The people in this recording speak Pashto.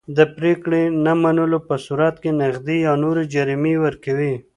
د پرېکړې نه منلو په صورت کې نغدي یا نورې جریمې ورکوي.